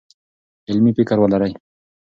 علمي فکر ولرئ.